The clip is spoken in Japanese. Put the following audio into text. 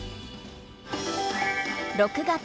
６月。